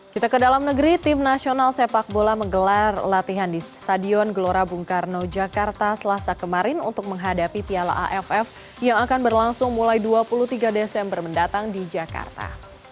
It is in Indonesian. kita ke dalam negeri tim nasional sepak bola menggelar latihan di stadion gelora bung karno jakarta selasa kemarin untuk menghadapi piala aff yang akan berlangsung mulai dua puluh tiga desember mendatang di jakarta